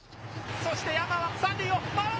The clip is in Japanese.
そして山は三塁を回る。